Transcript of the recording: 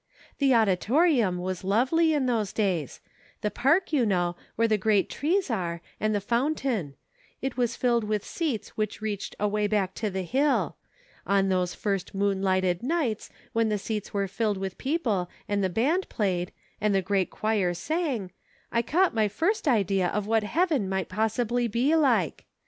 " The auditorium was lovely in those days ; the park, you know, where the great trees are, and the fountain ; it was filled with seats which reached away back to the hill ; on those first moon lighted nights when the seats were filled with people and the band played, and the great choir sang, I caught my first idea of what heaven might possibly be like.